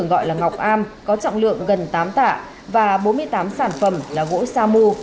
gọi là ngọc am có trọng lượng gần tám tạ và bốn mươi tám sản phẩm là gỗ sa mù